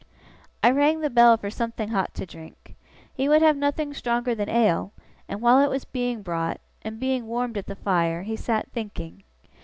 I rang the bell for something hot to drink. He would have nothing stronger than ale; and while it was being brought, and being warmed at the fire, he sat thinking.